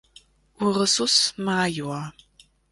Ursus Major